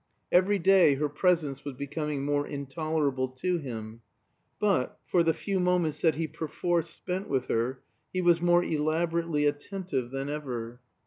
Every day her presence was becoming more intolerable to him. But, for the few moments that he perforce spent with her, he was more elaborately attentive than ever.